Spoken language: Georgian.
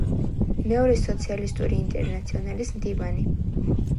მეორე სოციალისტური ინტერნაციონალის მდივანი.